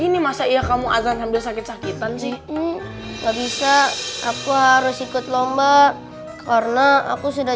ini masa iya kamu akan ambil sakit sakitan sih nggak bisa aku harus ikut lomba karena aku sudah